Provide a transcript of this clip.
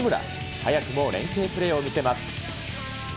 早くも連係プレーを見せます。